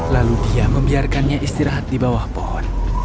lalu dia membiarkannya istirahat di bawah pohon